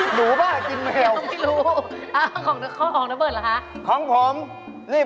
หนูมากินแมว